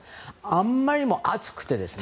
あまりにも暑くて。